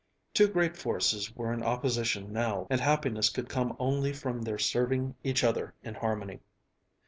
Two great forces were in opposition now, and happiness could come only from their serving each other in harmony.